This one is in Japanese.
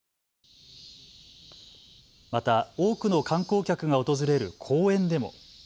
また、多くの観光客が訪れる公園でも。